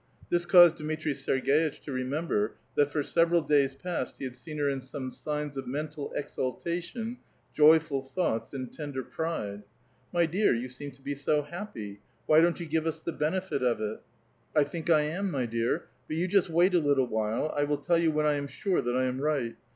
This caused Dmiti'i Serg^itch to remember that for several days past he had seen in her some signs of mental exalta tion, joyful thoughts, and tender pride. *' My dear, you seem to be so happy ; wh}' don't 3'ou give us the benefit of it?" " I think I am, my dear ; but you just wait a little while. 3 will tell you when I am sure that I am right.